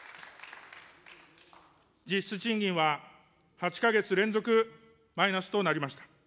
実質賃金は８か月連続マイナスとなりました。